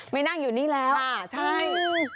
ไม่นั่งอยู่นี่แล้วจ้ะใช่อืมอืม